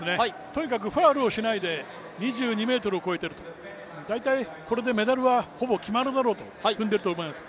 とにかくファウルをしないで２２ｍを越えている、大体これでメダルはほぼ決まるだろうと踏んでいると思います。